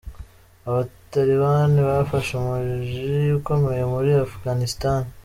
Abataliban bafashe umuji ukomeye muri Afghanistan.